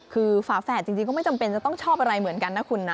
คือฝาแฝดจริงก็ไม่จำเป็นจะต้องชอบอะไรเหมือนกันนะคุณนะ